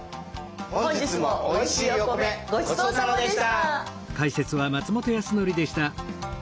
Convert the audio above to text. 本日もおいしいお米ごちそうさまでした。